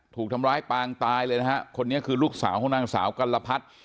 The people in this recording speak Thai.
ถูกทำร้ายปางตายเลยนะฮะคนนี้คือลูกสาวของนางสาวกัลพัฒน์